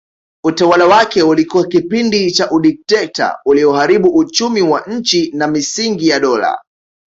Utawala wake ulikuwa kipindi cha udikteta ulioharibu uchumi wa nchi na misingi ya dola